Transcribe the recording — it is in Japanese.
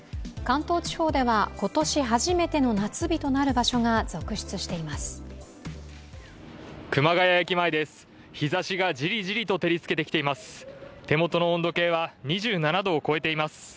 関東地方では今年初めての夏日となる場所が続出しています。